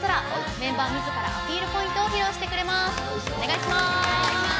メンバーみずからアピールポイントを披露してくれます。